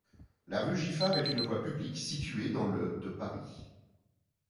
La rue Giffard est une voie publique située dans le de Paris.